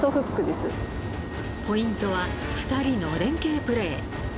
ポイントは２人の連携プレー